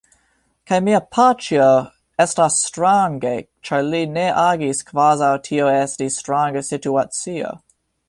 Kaj mia paĉjo... estas strange ĉar li ne agis kvazaŭ tio estis stranga situacio.